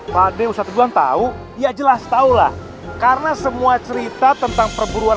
pade ustadz ulan tahu ya jelas tahu lah karena semua cerita tentang perburuan